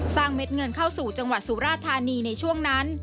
เม็ดเงินเข้าสู่จังหวัดสุราธานีในช่วงนั้น